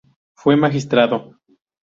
Fue Magistrado.